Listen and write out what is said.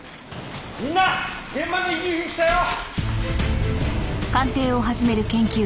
みんな現場の遺留品きたよ！